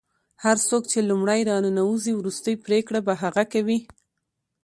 هر څوک چې لومړی راننوځي وروستۍ پرېکړه به هغه کوي.